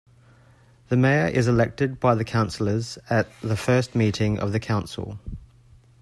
The mayor is elected by the councillors at the first meeting of the Council.